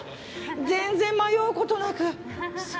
全然迷うことなく。